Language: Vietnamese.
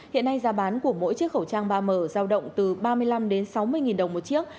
hiện nay giá bán của mỗi chiếc khẩu trang ba m giao động từ ba mươi năm đến sáu mươi đồng một chiếc